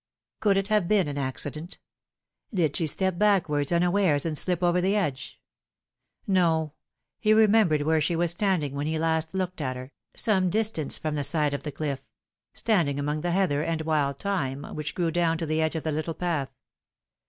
Could it have been an accident ? Did she step backwards unawares and slip over the edge ? No ; he remembered where she was standing when he last looked at her, some distance from the side of the cliff, standing among the heather and wild thyme which grew down to the edge of the little path.